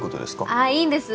ああいいんです